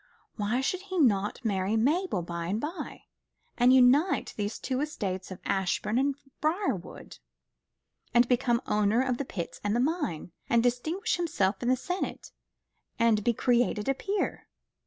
Why should he not marry Mabel by and by, and unite the two estates of Ashbourne and Briarwood, and become owner of the pits and the mine, and distinguish himself in the senate, and be created a peer?